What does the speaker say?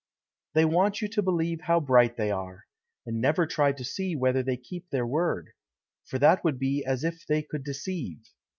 They want you to believe How bright they are, and never try to see Whether they keep their word. For that would be As if they could deceive.